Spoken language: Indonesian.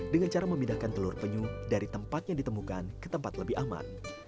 dengan cara memindahkan telur penyu dari tempat yang ditemukan ke tempat lebih aman